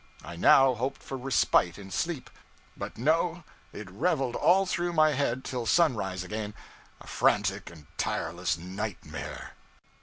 I now hoped for respite in sleep; but no, it reveled all through my head till sunrise again, a frantic and tireless nightmare.